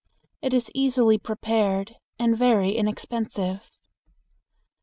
It is easily prepared and very inexpensive.